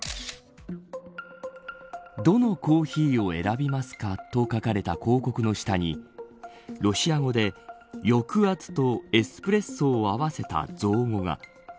どのコーヒーを選びますかと書かれた広告の下にロシア語で抑圧とエスプレッソを合わせた造語が。